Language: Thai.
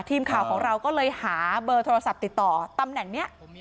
ทีมข่าวของเราก็เลยหาเบอร์โทรศัพท์ติดต่อตำแหน่งนี้